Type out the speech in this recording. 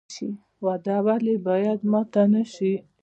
وعده ولې باید ماته نشي؟